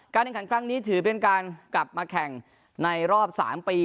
แข่งขันครั้งนี้ถือเป็นการกลับมาแข่งในรอบ๓ปี